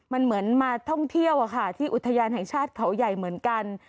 มันเหมือนมาท่องเที่ยวที่อุทยานแห่งชาติเขาใหญ่เหมือนกัน